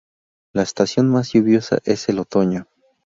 La estación más lluviosa es el otoño.